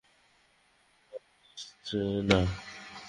তাঁকে কেউ দেখতে আসছে না।